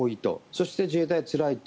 そして、自衛隊はつらいと。